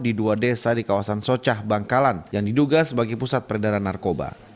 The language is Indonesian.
di dua desa di kawasan socah bangkalan yang diduga sebagai pusat peredaran narkoba